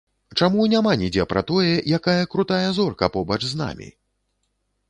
Чаму няма нідзе пра тое, якая крутая зорка побач з намі?